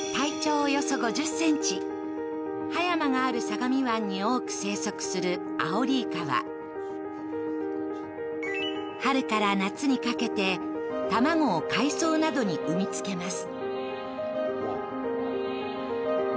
およそ５０ｃｍ、葉山がある相模湾に多く生息するアオリイカは春から夏にかけて卵を海藻などに産み付けます。